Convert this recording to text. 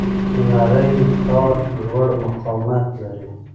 نری تار لوړ مقاومت لري.